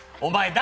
誰？